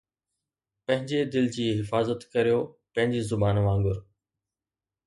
پنھنجي دل جي حفاظت ڪريو پنھنجي زبان وانگر